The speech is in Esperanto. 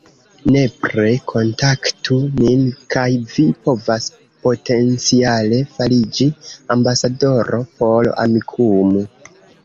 Nepre kontaktu nin kaj vi povas potenciale fariĝi ambasadoro por Amikumu